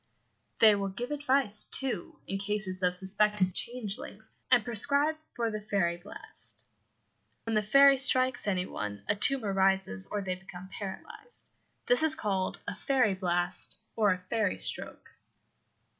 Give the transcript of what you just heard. They will give advice, too, in cases of suspected changelings, and prescribe for the "fairy blast" (when the fairy strikes any one a tumour rises, or they become paralysed. This is called a "fairy blast" or a "fairy stroke").